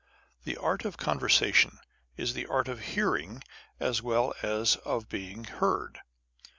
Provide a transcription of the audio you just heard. The art of conversation is the art of hearing as well as of being heard.